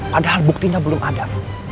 padahal buktinya belum ada